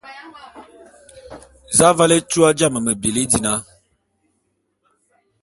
Za aval étua jame me bili dina?